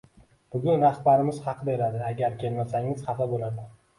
Bugun rahbarimiz haq beradi, agar kelmasangiz, xafa bo`larkan